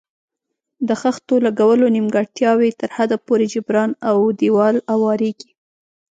د خښتو لګولو نیمګړتیاوې تر حده پورې جبران او دېوال اواریږي.